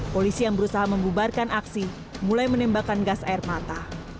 polisi yang berusaha membubarkan aksi mulai menembakkan gas air mata